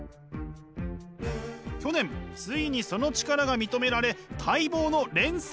去年ついにその力が認められ待望の連載スタート！